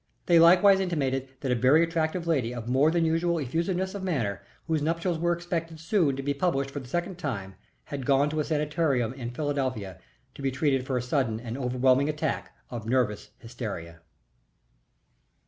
They likewise intimated that a very attractive lady of more than usual effusiveness of manner, whose nuptials were expected soon to be published for the second time, had gone to a sanitarium in Philadelphia to be treated for a sudden and overwhelming attack of nervous hysteria.